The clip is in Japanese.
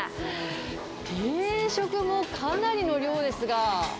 定食もかなりの量ですが。